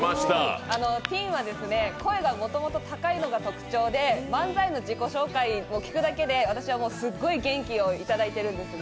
てぃんは、声がもともと高いのが特徴で漫才の自己紹介を聞くだけで私はすごい元気をいただいているんですね。